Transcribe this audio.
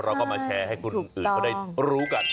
เราก็มาแชร์ให้คนอื่นเขาได้รู้กัน